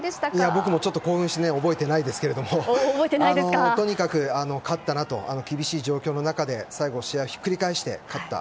僕もちょっと興奮して覚えてないですけどとにかく勝ったなと厳しい状況の中で最後、試合をひっくり返して勝った。